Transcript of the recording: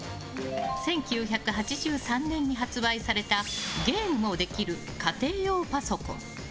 １９８３年に発売されたゲームもできる家庭用パソコン。